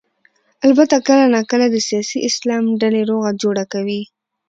البته کله نا کله د سیاسي اسلام ډلې روغه جوړه کوي.